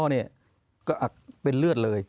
เนี่ยกระอักเป็นเลือดเลย